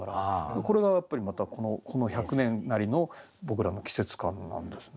これがやっぱりこの１００年なりの僕らの季節感なんですね。